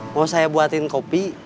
mau saya buatin kopi